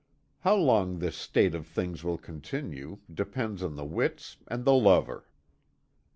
How long this state of things will continue, depends on the wits and the lover."